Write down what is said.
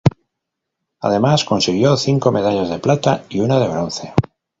Además consiguió cinco medallas de plata y una de bronce.